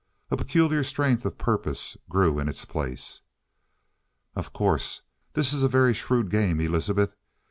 A peculiar strength of purpose grew in its place. "Of course, this is a very shrewd game, Elizabeth.